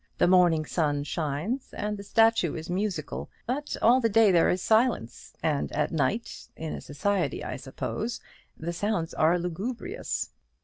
The morning sun shines, and the statue is musical; but all the day there is silence; and at night in society, I suppose the sounds are lugubrious.